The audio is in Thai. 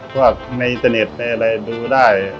เพราะว่าในอินเตอร์เน็ตอะไรดูได้